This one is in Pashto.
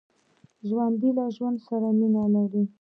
ژوندي له ژوند سره مینه لري